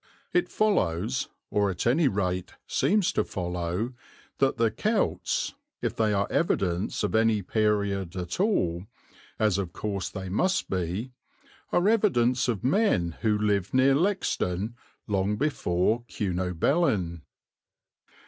It follows, or at any rate seems to follow, that the "celts," if they are evidence of any period at all, as of course they must be, are evidence of men who lived near Lexden long before Cunobelin.